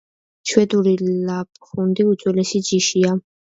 შვედური ლაპჰუნდი უძველესი ჯიშია.